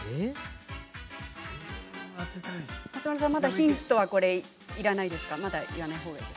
ヒントはまだいらないですか。